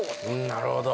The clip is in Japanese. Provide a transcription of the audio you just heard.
なるほど。